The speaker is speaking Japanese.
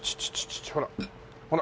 ほら。